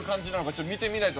ちょっと見てみないと。